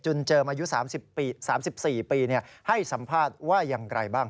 จนเจอมาอยู่๓๔ปีสำคัญอย่างไรบ้าง